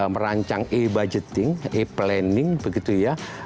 merancang e budgeting e planning begitu ya